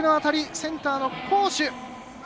センターの好守。